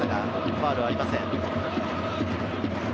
ファウルはありません。